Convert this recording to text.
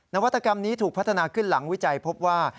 นวัตกรรมนี้ถูกพัฒนาขึ้นหลังวิจัยพบว่า